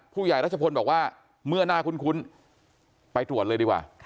รัชพลบอกว่าเมื่อน่าคุ้นไปตรวจเลยดีกว่า